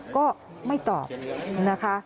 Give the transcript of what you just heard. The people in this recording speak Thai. ก็ไม่ตอบนะคะ